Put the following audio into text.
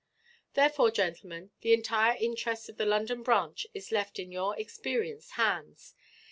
"Therefore, gentlemen, the entire interest of the London branch is left in your experienced hands.